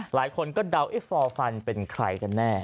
หลายคนก็เดาเอ๊ฟอร์ฟันเป็นใครกันแน่